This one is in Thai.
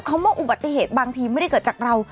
ว่าอุบัติเหตุบางทีไม่ได้เกิดจากเรา